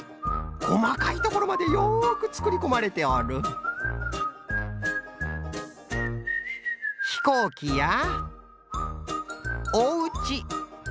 こまかいところまでよくつくりこまれておるひこうきやおうち。